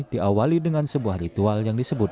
diawali dengan sebuah ritual yang disebut